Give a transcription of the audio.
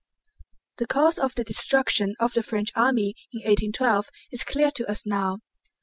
The cause of the destruction of the French army in 1812 is clear to us now.